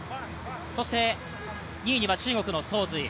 そして、２位には中国の曾蕊。